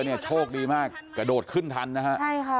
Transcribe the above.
พี่บูรำนี้ลงมาแล้ว